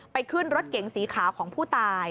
ขึ้นรถเก๋งสีขาวของผู้ตาย